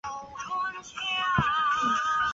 出生于爱知县名古屋市。